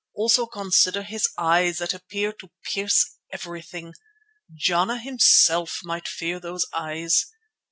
Also consider his eyes that appear to pierce everything. Jana himself might fear those eyes.